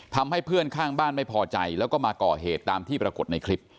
ทำให้เพื่อนข้างบ้านไม่พอใจแล้วก็มาก่อเหตุตามที่ปรากฏในคลิป